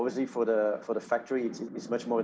jadi untuk perusahaan itu lebih membutuhkan